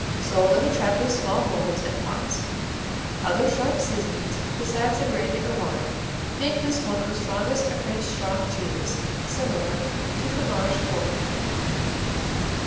Sold in attractive small molds and pots. Other sharp seasonings besides the brandy or wine make this one of the strongest of French strong cheeses, similar to Fromage Fort.